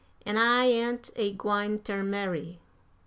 An' I ain't a gwine ter marry.